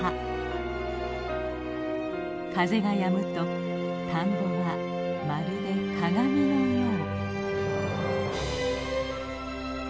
風がやむと田んぼはまるで鏡のよう。